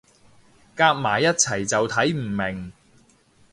夾埋一齊就睇唔明